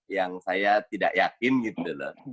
yang saya tidak yakin gitu loh